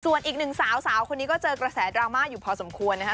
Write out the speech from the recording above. ส่วนอีกหนึ่งสาวสาวคนนี้ก็เจอกระแสดราม่าอยู่พอสมควรนะคะ